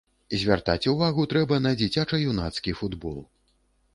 Звяртаць увагу трэба на дзіцяча-юнацкі футбол.